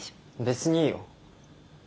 別にいいよ